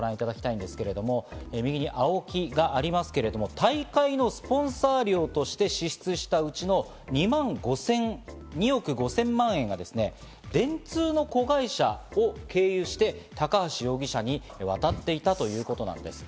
こちらをご覧いただきたいんですけれども、右にＡＯＫＩがありますけれども、大会のスポンサー料として支出したうちの２億５０００万円が電通の子会社を経由して、高橋容疑者に渡っていたということなんです。